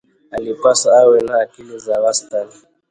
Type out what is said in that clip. Alipaswa awe na akili za wastani